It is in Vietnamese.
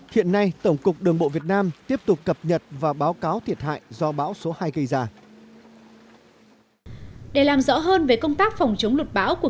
hiện nay tổng cục đường bộ việt nam tiếp tục cập nhật và báo cáo thiệt hại do bão số hai gây ra